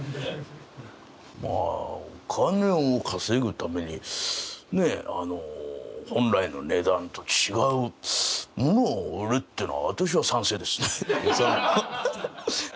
「まあお金を稼ぐためにねえあの本来の値段と違うものを売るっていうのは私は賛成ですよ」っていうその。